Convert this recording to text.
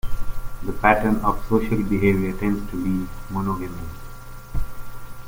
The pattern of social behaviour tends to be monogamy.